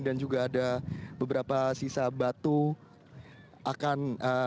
dan juga ada beberapa sisa batu akan